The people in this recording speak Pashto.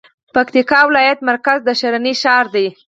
پکتيکا ولايت مرکز د ښرنې ښار دی